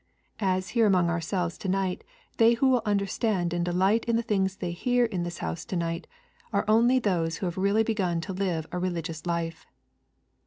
As here among ourselves to night, they who will understand and delight in the things they hear in this house to night are those only who have really begun to live a religious life.